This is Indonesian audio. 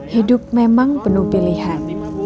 hidup memang penuh pilihan